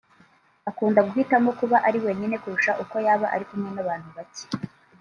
akunda guhitamo kuba ari wenyine kurusha uko yaba ari kumwe n’abantu bacye